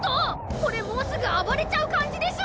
これもうすぐ暴れちゃう感じでしょ！？